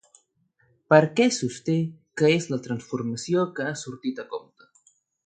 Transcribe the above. Per què sosté que és la transformació que ha sortit a compte?